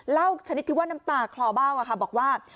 ชนิดที่ว่าน้ำตาคลอเบ้าบอกว่า